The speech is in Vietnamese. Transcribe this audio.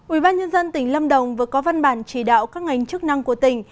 ủy ban nhân dân tỉnh lâm đồng vừa có văn bản chỉ đạo các ngành chức năng của tỉnh